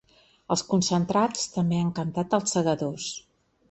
Els concentrats també han cantat ‘Els Segadors’.